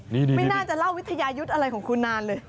นี่ไม่น่าจะเล่าวิทยายุทธ์อะไรของคุณนานเลย